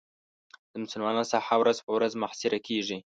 د مسلمانانو ساحه ورځ په ورځ محاصره کېږي.